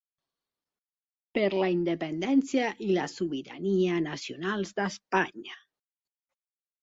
Per la independència i la sobirania nacionals d'Espanya.